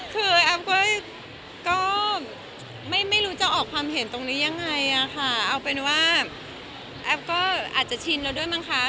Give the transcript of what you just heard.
คือแอฟก็ไม่รู้จะออกความเห็นตรงนี้ยังไงอะค่ะเอาเป็นว่าแอฟก็อาจจะชินเราด้วยมั้งคะ